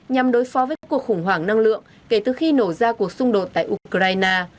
nhằm đối phó với cuộc khủng hoảng năng lượng kể từ khi nổ ra cuộc xung đột tại ukraine